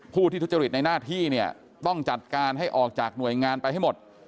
ผู้ที่ทุจริตในหน้าที่เนี่ยต้องจัดการให้ออกจากหน่วยงานไปให้หมด